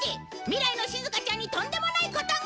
未来のしずかちゃんにとんでもないことが！